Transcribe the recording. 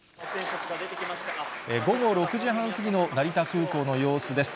午後６時半過ぎの成田空港の様子です。